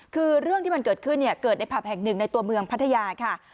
คือเรื่องที่มันเกิดขึ้นเนี่ยเกิดในผับแห่งหนึ่งในตัวเมืองพัทยาค่ะ